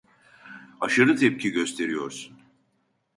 Aşırı tepki gösteriyorsun.